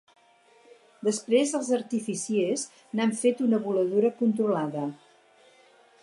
Després els artificiers n’han fet una voladura controlada.